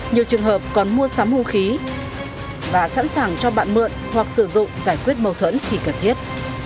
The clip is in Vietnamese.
nhiều trường hợp còn mua sắm vũ khí và sẵn sàng cho bạn mượn hoặc sử dụng giải quyết mâu thuẫn khi cần thiết